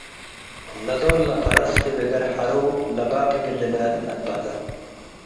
ለዶል ለፈረስ እብ እገር ሐሩ' ለባብ እግል ልላድድ አንበተ።